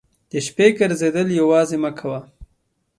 د شپې ګرځېدل یوازې مه کوه.